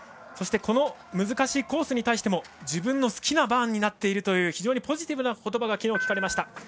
そして、難しいコースに対しても自分の好きなバーンになっているという非常にポジティブな言葉が昨日は聞かれました。